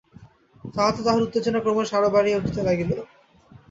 তাহাতে তাহার উত্তেজনা ক্রমশ আরো বাড়িয়া উঠিতে লাগিল।